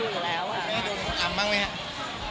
ก็เลยเอาข้าวเหนียวมะม่วงมาปากเทียน